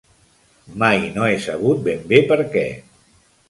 Mai no he sabut ben bé per què.